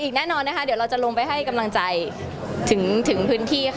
ครับครับ